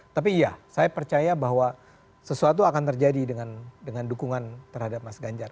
tapi iya saya percaya bahwa sesuatu akan terjadi dengan dukungan terhadap mas ganjar